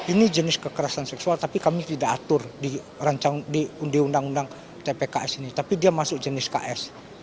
ini jenis kekerasan seksual tapi kami tidak atur di undang undang tpks ini tapi dia masuk jenis ks